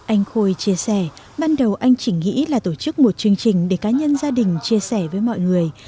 anh khôi chia sẻ ban đầu anh chỉ nghĩ là tổ chức một chương trình để cá nhân gia đình chia sẻ với mọi người